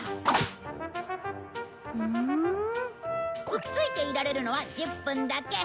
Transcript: くっついていられるのは１０分だけ。